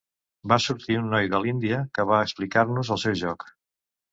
Va sortir un noi de l’Índia que va explicar-nos el seu joc.